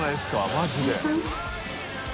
マジで。